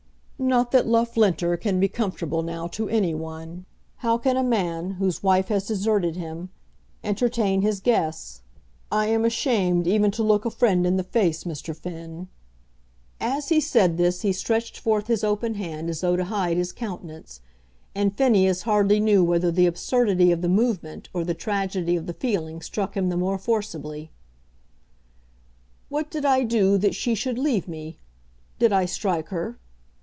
"Not that Loughlinter can be comfortable now to any one. How can a man, whose wife has deserted him, entertain his guests? I am ashamed even to look a friend in the face, Mr. Finn." As he said this he stretched forth his open hand as though to hide his countenance, and Phineas hardly knew whether the absurdity of the movement or the tragedy of the feeling struck him the more forcibly. "What did I do that she should leave me? Did I strike her?